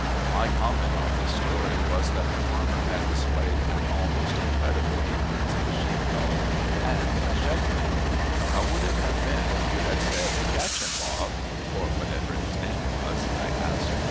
My comment on this story was that the farmer had displayed an almost incredible ignorance of a sheepdog and a shepherd. "How would it have been if you had said, 'Catch him, Bob,' or whatever his name was?" I asked.